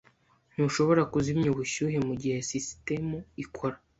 Ntushobora kuzimya ubushyuhe mugihe sisitemu ikora.